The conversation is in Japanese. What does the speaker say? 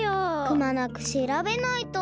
くまなくしらべないと。